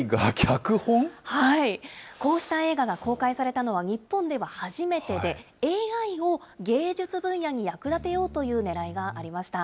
こうした映画が公開されたのは日本では初めてで、ＡＩを芸術分野に役立てようというねらいがありました。